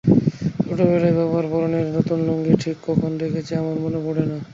ছোটবেলায় বাবার পরনে নতুন লুঙ্গি ঠিক কখন দেখেছি আমার মনে পড়ে না।